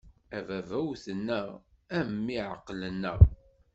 A baba wwten-aɣ, a mmi ɛeqlen-aɣ.